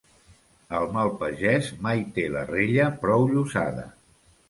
El mal pagès mai té la rella prou llossada.